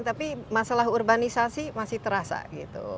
tapi masalah urbanisasi masih terasa gitu